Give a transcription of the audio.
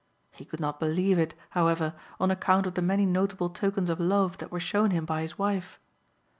He could not believe it, however, on account of the many notable tokens of love that were shown him by his wife.